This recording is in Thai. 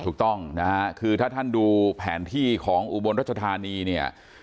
ถูกต้องนะฮะคือถ้าท่านดูแผนที่ของอุบลรัชธานีเนี่ย